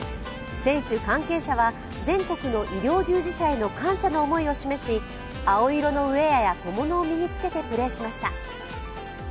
選手、関係者は全国の医療従事者への感謝の思いを示し青色のウエアや小物を身につけてプレーしました。